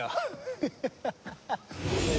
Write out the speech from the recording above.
ハハハハハ！